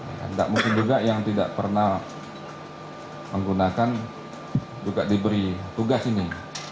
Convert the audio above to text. tidak mungkin juga yang tidak pernah menggunakan juga diberi tugas ini